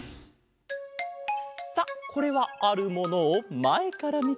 さあこれはあるものをまえからみたかげだ。